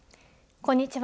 こんにちは。